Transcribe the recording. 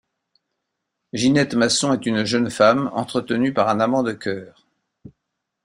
Ginette Masson est une jeune femme entretenue par un amant de cœur.